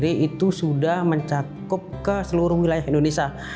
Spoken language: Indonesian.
itu sudah mencakup ke seluruh wilayah indonesia